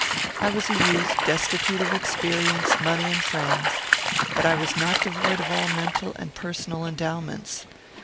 I was a youth destitute of experience, money, and friends; but I was not devoid of all mental and personal endowments.